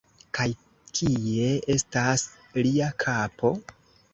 Kaj kie estas lia kapo?!